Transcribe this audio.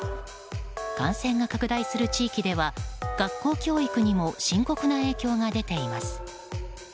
感染が拡大する地域では学校教育にも深刻な影響が出ています。